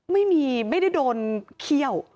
ไม่มีไม่ได้โดนเขี้ยว